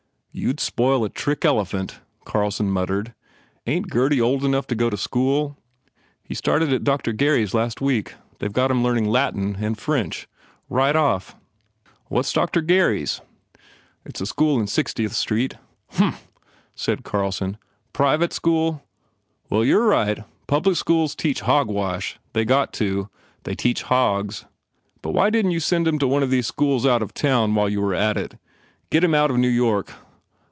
"You d spoil a trick elephant," Carlson mut tered, "Ain t Gurdy old enough to go to school?" "He started in at Doctor Cary s last week. They ve got him learning Latin and French, right off." "What s Doctor Cary s?" "It s a school in Sixtieth Street." "Hump," said Carlson, "Private School? Well, you re right. Public schools teach hog wash. They got to. They teach hogs. But why didn t you send him to one these schools out of town while you were at it? Get him out of New York."